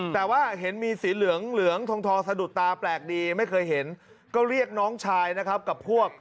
แต่ว่าเห็นมีสีเหลืองเหลืองทองสะดุดตาแปลกดีไม่เคยเห็นก็เรียกน้องชายนะครับกับพวก